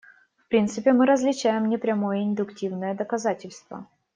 В принципе, мы различаем непрямое и индуктивное доказательство.